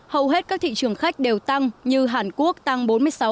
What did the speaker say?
hầu hết các thị trường khách đều tăng như hàn quốc tăng bốn mươi sáu